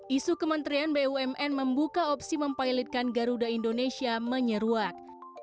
isu kementerian bumn membuka opsi mempilotkan garuda indonesia menyeruak